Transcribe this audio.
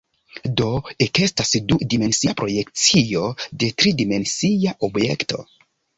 Do ekestas du-dimensia projekcio de tri-dimensia objekto.